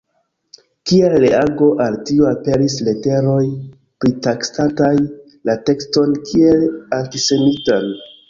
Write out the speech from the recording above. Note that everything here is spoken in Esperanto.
Kiel reago al tio aperis leteroj pritaksantaj la tekston kiel antisemitan.